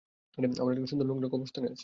আমরা সুন্দর একটা নোংরা কবরস্থানে আছি।